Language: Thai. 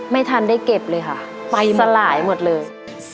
ไม่ทันได้เก็บเลยค่ะไฟสลายหมดเลย